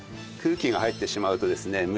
空気が入ってしまうとですね